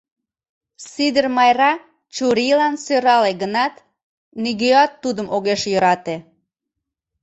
Сидыр Майра чурийлан сӧрале гынат, нигӧат тудым огеш йӧрате.